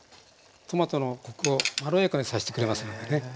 トマトのコクをまろやかにさしてくれますのでね。